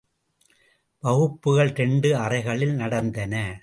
வகுப்புகள் இரண்டு அறைகளில் நடந்தன.